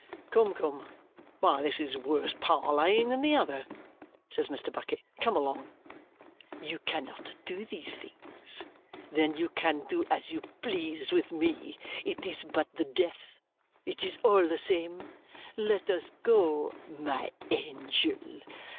"Come, come, why this is worse PARLAYING than the other," says Mr. Bucket. "Come along!" "You cannot do these things? Then you can do as you please with me. It is but the death, it is all the same. Let us go, my angel.